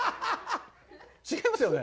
違いますよね？